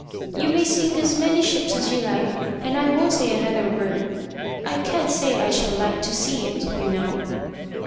You may sink as many ships as you like, and I won't say another word. I can't say I shall like to see it, you know."